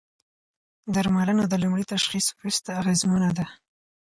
درملنه د لومړي تشخیص وروسته اغېزمنه ده.